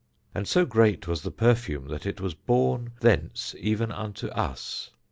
And so great was the perfume that it was borne thence even unto us.